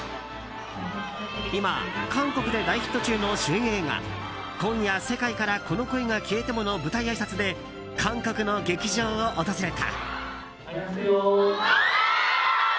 今、韓国で大ヒット中の主演映画「今夜、世界からこの恋が消えても」の舞台あいさつで韓国の劇場を訪れた。